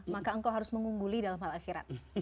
maka engkau harus mengungguli dalam hal akhirat